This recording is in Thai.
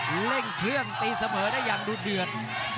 เร่งเครื่องตีเสมอได้อย่างดูเดือด